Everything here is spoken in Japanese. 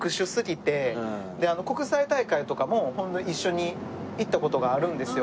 国際大会とかも一緒に行った事があるんですよ。